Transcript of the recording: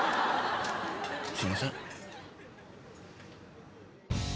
すんません。